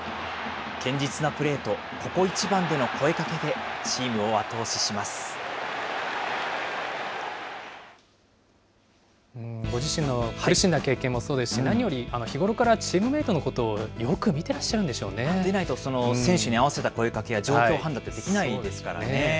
堅実なプレーと、ここ一番での声かけで、ご自身の経験もそうですし、何より日頃からチームメートのことをよく見てらっしゃるんでしょでないとその選手に合わせた声かけや状況判断ってできないですからね。